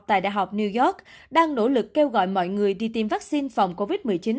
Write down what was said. tại đại học new york đang nỗ lực kêu gọi mọi người đi tiêm vaccine phòng covid một mươi chín